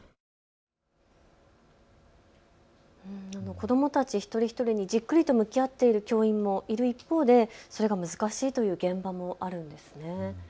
子どもたち一人一人にじっくりと向き合っている教員もいる一方でそれが難しいという現場もあるんですね。